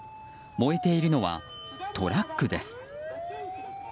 燃えているのはトラックです。